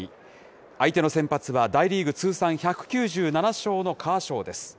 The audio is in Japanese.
相手の先発は、大リーグ通算１９７勝のカーショーです。